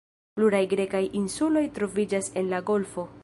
Pluraj grekaj insuloj troviĝas en la golfo.